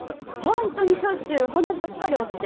本当にしょっちゅう骨ばっかり折って。